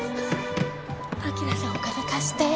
晶さんお金貸して。